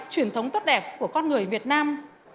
truyền thống tốt đẹp của con người việt nam